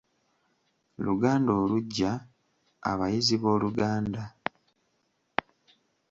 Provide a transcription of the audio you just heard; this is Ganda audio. Luganda oluggya, abayizi b’Oluganda